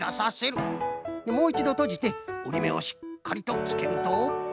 もう１どとじておりめをしっかりとつけると。